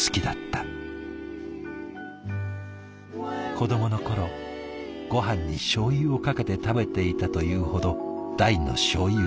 子どもの頃ごはんにしょう油をかけて食べていたというほど大のしょう油好き。